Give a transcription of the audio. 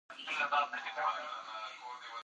د حاصلاتو راټولول د بزګر د خوښۍ وخت دی.